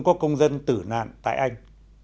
có công dân tử nạn tại anh